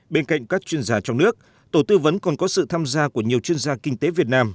bên cạnh các chuyên gia trong nước tổ tư vấn còn có sự tham gia của nhiều chuyên gia kinh tế việt nam